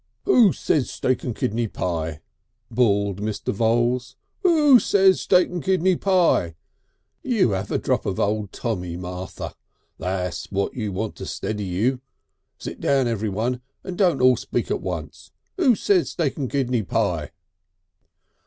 "Who says steak and kidney pie?" bawled Mr. Voules. "Who says steak and kidney pie? You 'ave a drop of old Tommy, Martha. That's what you want to steady you.... Sit down everyone and don't all speak at once. Who says steak and kidney pie?..."